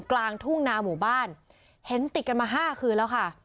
กลางทุ่งนาหมู่บ้านเห็นติดกันมาห้าคืนแล้วค่ะ